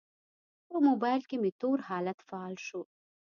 په موبایل کې مې تور حالت فعال شو.